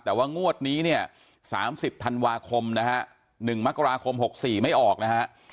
แต่ว่างวดนี้เนี่ย๓๐ธันวาคมนะฮะ๑มกราคม๖๔ไม่ออกนะฮะ